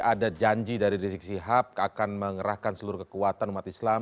ada janji dari rizik sihab akan mengerahkan seluruh kekuatan umat islam